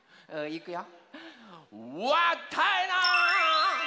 いくよ。